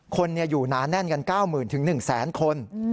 คนเนี่ยอยู่นานแน่นกัน๙๐๐๐๐ถึง๑๐๐๐๐๐คน